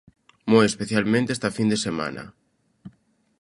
Moi especialmente esta fin de semana.